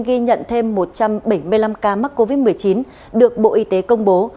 trong đó số này có hai trăm bảy mươi năm ca mắc covid một mươi chín được bộ y tế công bố